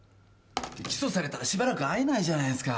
起訴されたらしばらく会えないじゃないですか。